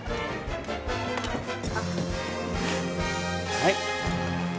はい。